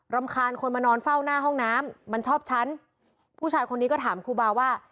คานคนมานอนเฝ้าหน้าห้องน้ำมันชอบฉันผู้ชายคนนี้ก็ถามครูบาว่า